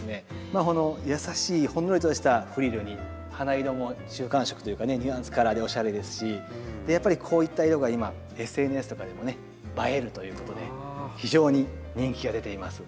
まあ優しいほんのりとしたフリルに花色も中間色というかねニュアンスカラーでおしゃれですしやっぱりこういった色が今ＳＮＳとかでもね映えるということで非常に人気が出ています。